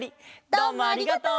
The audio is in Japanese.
どうもありがとう！